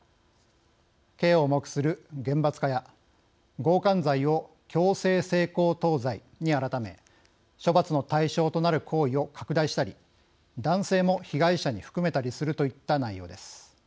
刑を重くする厳罰化や強姦罪を強制性交等罪に改め処罰の対象となる行為を拡大したり男性も被害者に含めたりするといった内容です。